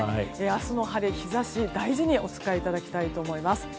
明日の晴れ、日差し大事にお使いいただきたいと思います。